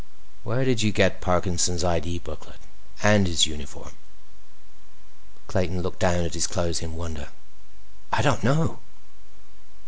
"Where did you get Parkinson's ID booklet? And his uniform?" Clayton looked down at his clothes in wonder. "I don't know."